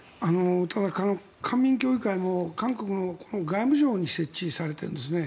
ただ、官民協議会も韓国の外務省に設置されているんですね。